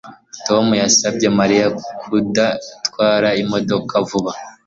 Tom yasabye Mariya kudatwara imodoka vuba